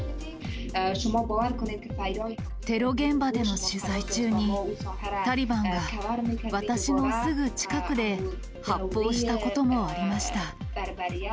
テロ現場での取材中に、タリバンが私のすぐ近くで発砲したこともありました。